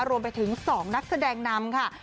รวมไปถึง๒นักแสดงนำค่ะ